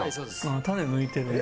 種抜いてるね。